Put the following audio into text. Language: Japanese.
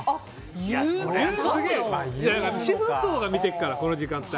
主婦層が見てるからこの時間帯。